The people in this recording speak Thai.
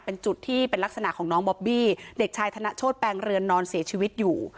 เป็นจุดที่เป็นลักษณะของน้องบอบบี้เด็กชายธนโชธแปงเรือนนอนเสียชีวิตอยู่